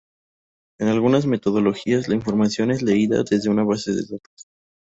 En algunas metodologías, la información es "leída" desde una base de datos.